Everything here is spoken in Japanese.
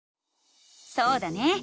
そうだね！